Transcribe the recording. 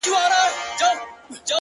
يوازې سوی يم يادونه د هغې نه راځي--